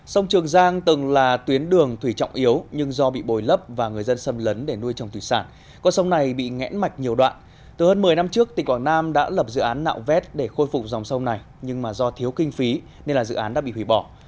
sông trường giang từng là tuyến đường thủy trọng yếu nhưng do bị bồi lấp và người dân xâm lấn để nuôi trồng thủy sản con sông này bị ngẽn mạch nhiều đoạn từ hơn một mươi năm trước tỉnh quảng nam đã lập dự án nạo vét để khôi phục dòng sông này nhưng mà do thiếu kinh phí nên là dự án đã bị hủy bỏ